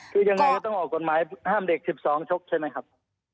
คือยังไงก็ต้องออกกฎหมายห้ามเด็ก๑๒ชกใช่ไหมครับ